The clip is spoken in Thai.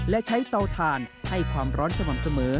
และใช้เตาถ่านให้ความร้อนสม่ำเสมอ